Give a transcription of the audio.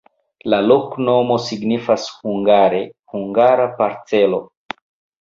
La loknomo signifas hungare: hungara-parcelo.